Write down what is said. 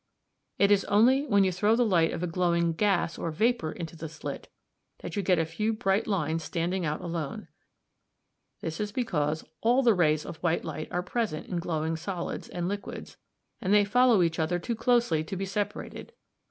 It is only when you throw the light of a glowing gas or vapour into the slit that you get a few bright lines standing out alone. This is because all the rays of white light are present in glowing solids and liquids, and they follow each other too closely to be separated.